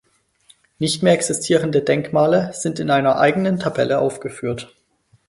Nicht mehr existierende Denkmale sind in einer eigenen Tabelle aufgeführt.